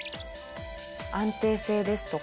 安定性ですとか